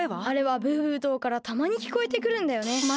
あれはブーブー島からたまにきこえてくるんだよね。